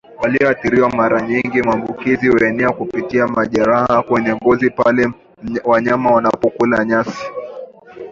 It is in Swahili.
walioathiriwa Mara nyingi maambukizi huenea kupitia majeraha kwenye ngozi pale wanyama wanapokula nyasi